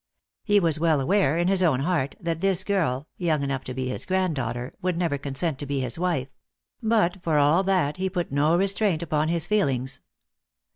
He was well aware, in his own heart, that this girl, young enough to be his granddaughter, would never consent to be his wife; but for all that, he put no restraint upon his feelings.